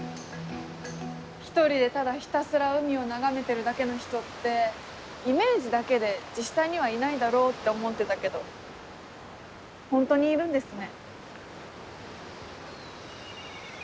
１人でただひたすら海を眺めてるだけの人ってイメージだけで実際にはいないだろうって思ってたけどホントにいるんですね。